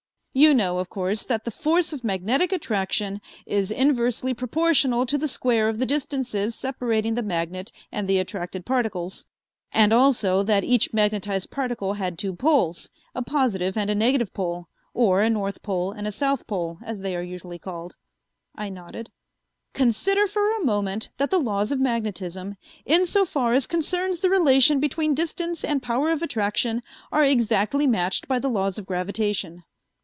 "You know, of course, that the force of magnetic attraction is inversely proportional to the square of the distances separating the magnet and the attracted particles, and also that each magnetized particle had two poles, a positive and a negative pole, or a north pole and a south pole, as they are usually called?" I nodded. "Consider for a moment that the laws of magnetism, insofar as concerns the relation between distance and power of attraction, are exactly matched by the laws of gravitation."